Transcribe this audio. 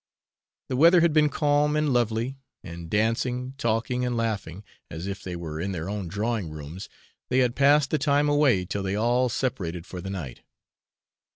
The weather had been calm and lovely; and dancing, talking, and laughing, as if they were in their own drawing rooms, they had passed the time away till they all separated for the night.